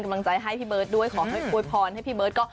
ขอบคุณมากเลยนะครับพี่เวิร์ดค่ะ